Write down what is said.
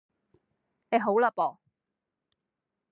你好啦播